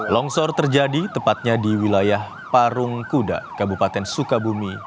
longsor terjadi tepatnya di wilayah parung kuda kabupaten sukabumi